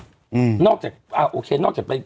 อลีนี้ไม่มืด